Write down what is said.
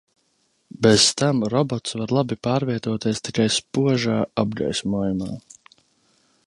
Bez tam robots var labi pārvietoties tikai spožā apgaismojumā.